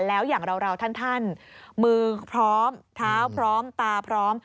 แล้วอย่างเราท่านมือพร้อมเท้าพร้อมตาพร้อม